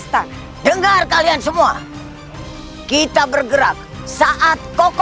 sebelum matahari terpikir